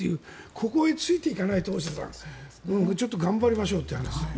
ここへついていかないとちょっと頑張りましょうという話です。